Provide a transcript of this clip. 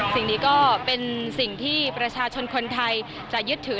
สิ่งนี้ก็เป็นสิ่งที่ประชาชนคนไทยจะยึดถือ